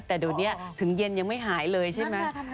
แต่เดี๋ยวนี้ถึงเย็นยังไม่หายเลยใช่ไหม